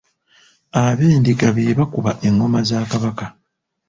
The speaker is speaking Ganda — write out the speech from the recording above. Abendiga be bakuba engoma za Kabaka.